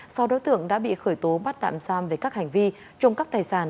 sau đối tượng đã bị khởi tố bắt tạm giam về các hành vi trộm cắp tài sản